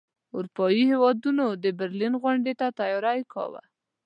اروپايي هیوادونو د برلین غونډې ته تیاری کاوه.